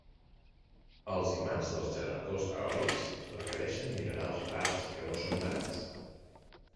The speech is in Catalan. Els imants dels generadors eòlics requereixen minerals rars que no són barats.